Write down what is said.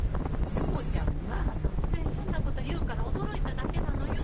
桃ちゃんが突然変なこと言うから驚いただけなのよ。